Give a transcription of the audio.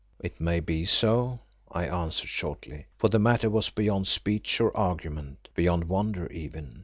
"It may be so," I answered shortly, for the matter was beyond speech or argument, beyond wonder even.